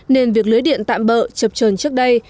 nên việc lưới điện tạm bợ chọc trờn trước đây